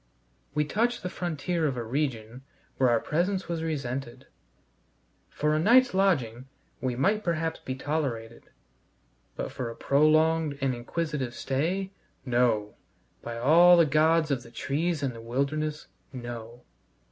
We touched the frontier of a region where our presence was resented. For a night's lodging we might perhaps be tolerated; but for a prolonged and inquisitive stay No! by all the gods of the trees and the wilderness, no!